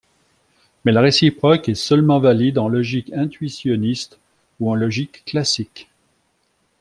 Mais la réciproque est seulement valide en logique intuitionniste ou en logique classique.